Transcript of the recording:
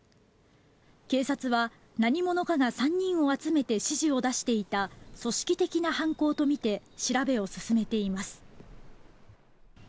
警察は、何者かが３人を集めて指示を出していた組織的な犯行とみて調べを進めています。